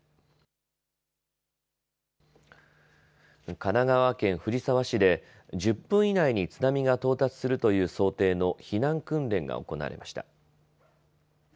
神奈川県藤沢市で１０分以内に津波が到達するという想定の避難訓練が行われました。